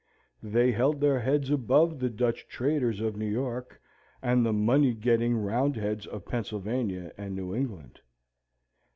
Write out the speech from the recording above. They held their heads above the Dutch traders of New York, and the money getting Roundheads of Pennsylvania and New England.